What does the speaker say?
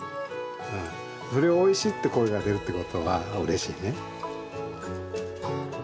それを「おいしい」って声が出るってことはうれしいね。